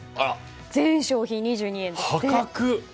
全商品２２円です。